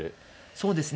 そうですね。